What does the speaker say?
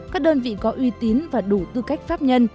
các đơn vị có uy tín và đủ tư cách pháp nhân